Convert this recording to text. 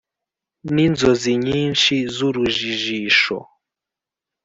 n’ inzozi nyinshi z’ urujijisho